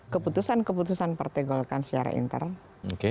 keputusan keputusan partai golkar secara internal